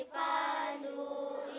mayan kita berseru